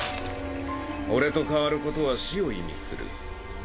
俺と代わることは死を意味する。